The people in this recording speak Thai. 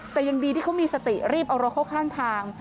แต่ยังดีที่เขามีสติรีบเอารถเข้าข้างทาง